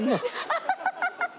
アハハハハ！